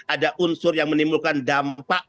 ada unsur yang menimbulkan dampak